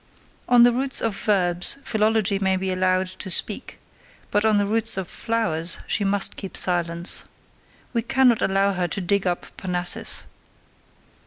On the roots of verbs Philology may be allowed to speak, but on the roots of flowers she must keep silence. We cannot allow her to dig up Parnassus.